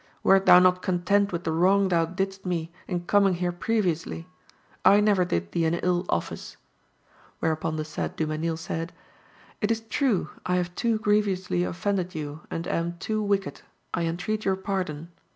Wert thou not content with the wrong thou didst me in coming here previously? I never did thee an ill office.' Whereupon the said Dumesnil said: 'It is true, I have too grievously offended you, and am too wicked; I entreat your pardon.